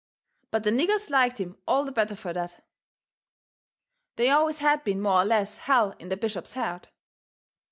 But the niggers liked him all the better fur that. They always had been more or less hell in the bishop's heart.